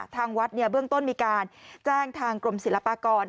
ทางวัดเบื้องต้นมีการแจ้งทางกรมศิลปากร